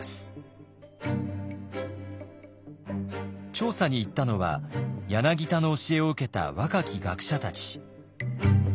調査に行ったのは柳田の教えを受けた若き学者たち。